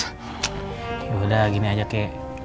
yaudah gini aja kek